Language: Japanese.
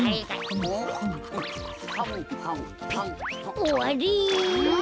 おわり！